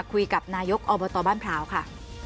คุยกับนายกอบตบ้านพร้าวค่ะ